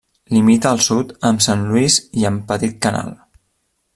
Limita al sud amb Saint-Louis i amb Petit-Canal.